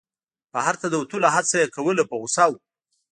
بهر ته د وتلو هڅه یې کوله په غوسه و.